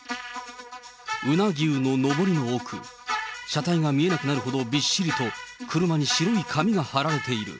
うな牛ののぼりの奥、車体が見えなくなるほどびっしりと、車に白い紙が貼られている。